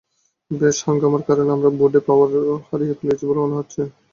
বেশ হাঙ্গামার কারণে, আমরা বোর্ডে পাওয়ার হারিয়েছি বলে মনে হচ্ছে।